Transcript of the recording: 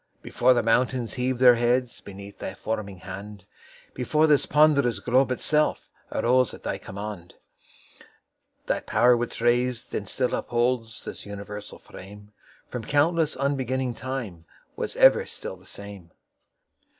Before the mountains heav'd their headsBeneath Thy forming hand, Before this ponderous globe itselfArose at Thy command; That Pow'r which rais'd and still upholdsThis universal frame, From countless, unbeginning timeWas ever still the same.